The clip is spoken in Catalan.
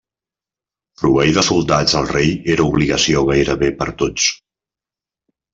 Proveir de soldats al rei era obligació gairebé per tots.